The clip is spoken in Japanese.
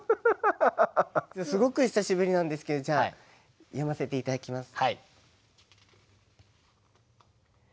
すごく久しぶりなんですけどじゃあ詠ませて頂きます。